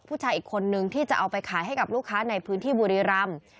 ผู้ชายอีกคนนึงที่จะเอาไปขายให้กับลูกค้าในพื้นที่บุรีรำ